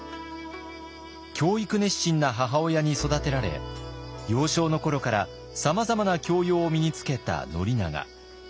教育熱心な母親に育てられ幼少の頃からさまざまな教養を身につけた宣長。